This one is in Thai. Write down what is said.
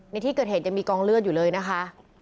ในที่เกิดเหตุยังมีกองเลือดอยู่เลยนะคะ